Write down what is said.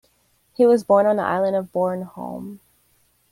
He was born on the island of Bornholm.